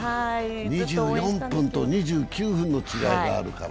２４分と２９分の違いがあるから。